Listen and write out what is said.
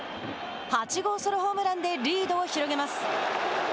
８号ソロホームランでリードを広げます。